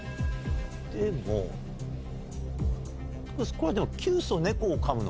これはでも。